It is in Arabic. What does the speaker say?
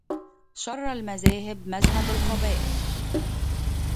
شر المذاهب مذهب القبائل